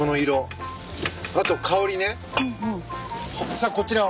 さあこちらを。